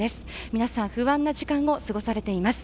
皆さん、不安な時間を過ごされています。